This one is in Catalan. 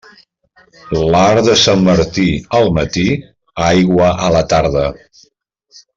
L'arc de Sant Martí al matí, aigua a la tarda.